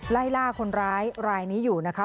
ไล่ล่าคนร้ายรายนี้อยู่นะคะ